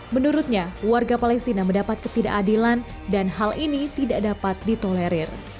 menurutnya warga palestina mendapat ketidakadilan dan hal ini tidak dapat ditolerir